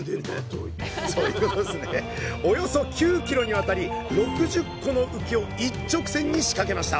およそ９ｋｍにわたり６０個の浮きを一直線に仕掛けました